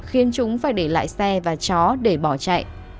khiến chúng phải để lại xe và chó để bỏ chạy